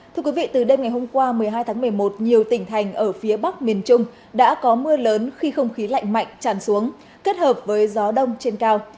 thưa quý vị từ đêm ngày hôm qua một mươi hai tháng một mươi một nhiều tỉnh thành ở phía bắc miền trung đã có mưa lớn khi không khí lạnh mạnh tràn xuống kết hợp với gió đông trên cao